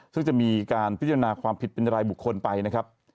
ซึ่งจะมีการพิจารณาความผิดเป็นรายบุคคลไปนะครับ